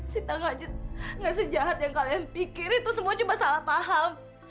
sita gak sejahat yang kalian pikir itu semua coba salah paham